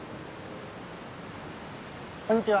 こんにちは。